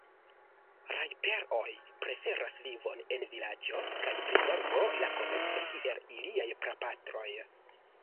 Rajper-oj preferas vivon en vilaĝo kaj prizorgo la komerco kiel iliaj prapatroj.